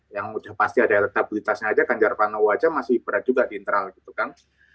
yang udah pasti ada elektabilitasnya aja ganjar pranowo aja masih berat juga di internal gitu kan